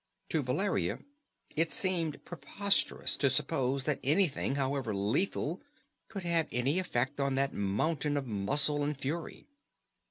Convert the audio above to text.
To Valeria it seemed preposterous to suppose that anything, however lethal, could have any effect on that mountain of muscle and fury.